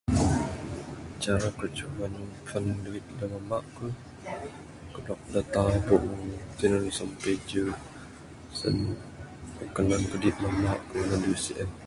Cara ku nyugon duit neg mamba ku, kudog da tabung tinan sampe ije sen ku kanan kudip mamba ku minan duit sien.